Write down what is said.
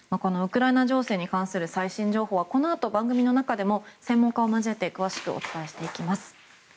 ウクライナ情勢に関する最新情報はこのあと番組の中でも専門家を交えて詳しくお伝えしていきます。